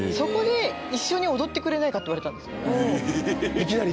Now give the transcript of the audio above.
いきなり！